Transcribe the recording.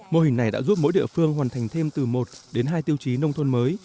mô hình này đã giúp mỗi địa phương hoàn thành thêm từ một đến hai tiêu chí nông thôn mới